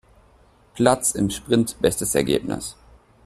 Platz im Sprint bestes Ergebnis.